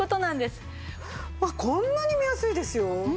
わっこんなに見やすいですよ。